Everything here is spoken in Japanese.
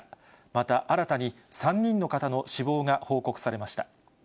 また、新たに３人の方の死亡が報告されました。